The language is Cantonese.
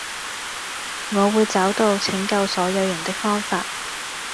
我會找到拯救所有人的方法